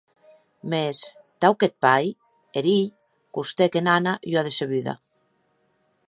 Mès, tau qu'eth pair, eth hilh costèc en Anna ua decebuda.